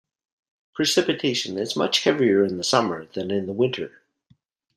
Precipitation is much heavier in the summer than in the winter.